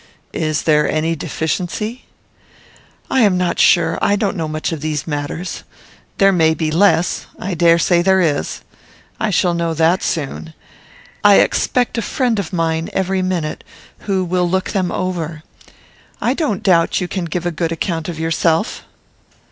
Is there any deficiency?" "I am not sure. I don't know much of these matters. There may be less. I dare say there is. I shall know that soon. I expect a friend of mine every minute who will look them over. I don't doubt you can give a good account of yourself."